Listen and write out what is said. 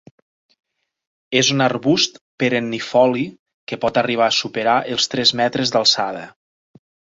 És un arbust perennifoli, que pot arribar a superar els tres metres d'alçada.